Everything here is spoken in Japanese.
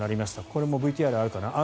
これもＶＴＲあるかな？